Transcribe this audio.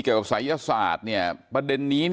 เกี่ยวกับศัยศาสตร์ประเด็นนี้